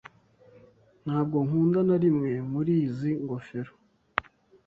Ntabwo nkunda na rimwe muri izi ngofero.